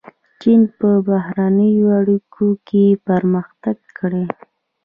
چین په بهرنیو اړیکو کې پرمختګ کړی.